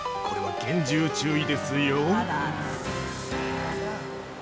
これは厳重注意ですよ。